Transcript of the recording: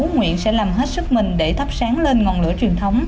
nguyễn sẽ làm hết sức mình để thắp sáng lên ngọn lửa truyền thống